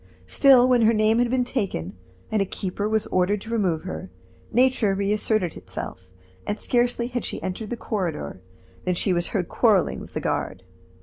Still, when her name had been taken, and a keeper was ordered to remove her, nature reasserted itself, and scarcely had she entered the corridor than she was heard quarreling with the guard.